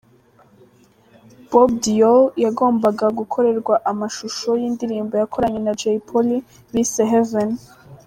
Bob Deol yagombaga gukorerwa amashusho y'indirimbo yakoranye na Jay Polly bise 'Heaven'.